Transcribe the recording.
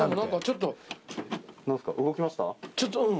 何かちょっと。